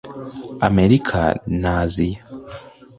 Amerika n’Aziya